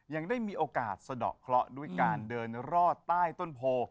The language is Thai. ยังได้มีโอกาสสะดอกเคราะห์ด้วยการเดินรอดใต้ต้นโพ